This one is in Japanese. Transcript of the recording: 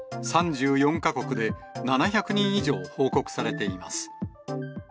３４か国で７００人以上報告されています。